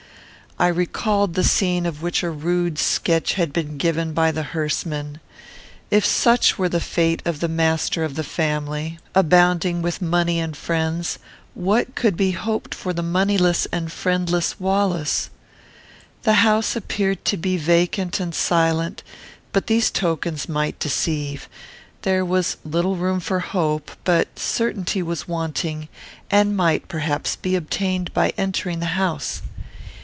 I recalled the scene of which a rude sketch had been given by the hearse men. If such were the fate of the master of the family, abounding with money and friends, what could be hoped for the moneyless and friendless Wallace? The house appeared to be vacant and silent; but these tokens might deceive. There was little room for hope; but certainty was wanting, and might, perhaps, be obtained by entering the house.